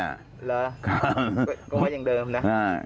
หรือก็ไว้อย่างเดิมนะค่ะ